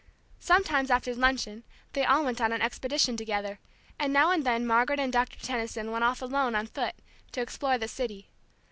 Sometimes after luncheon they all went on an expedition together, and now and then Margaret and Doctor Tension went off alone on foot, to explore the city.